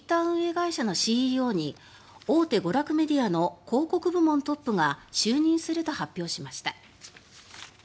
会社のＣＥＯに大手娯楽メディアの広告部門トップが就任すると発表しました。